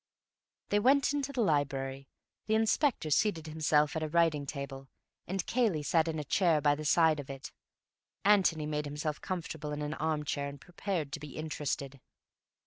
They went into the library. The inspector seated himself at a writing table, and Cayley sat in a chair by the side of it. Antony made himself comfortable in an armchair and prepared to be interested.